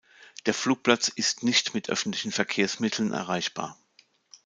Der Flugplatz ist nicht mit öffentlichen Verkehrsmitteln erreichbar.